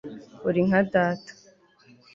uri nka data